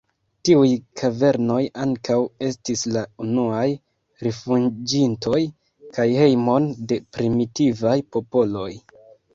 Tiuj kavernoj ankaŭ estis la unuaj rifuĝintoj kaj hejmoj de primitivaj popoloj.